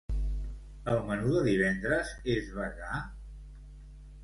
El menú de divendres és vegà?